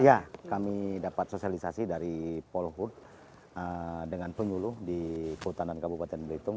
ya kami dapat sosialisasi dari polhut dengan penyuluh di kehutanan kabupaten belitung